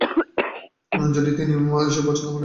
যদি তিনি এসে পৌঁছান আমাকে কল করে জানাবে।